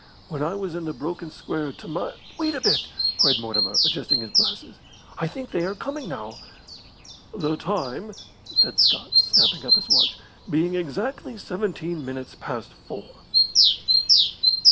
When I was in the broken square at Tamai " "Wait a bit," cried Mortimer, adjusting his glasses. "I think they are coming now." "The time," said Scott, snapping up his watch, "being exactly seventeen minutes past four."